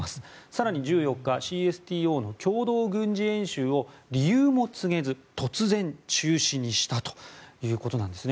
更に１４日、ＣＳＴＯの共同軍事演習を理由も告げず突然、中止にしたということなんです。